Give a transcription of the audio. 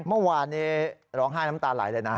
เมื่อวานนี้ร้องไห้น้ำตาไหลเลยนะ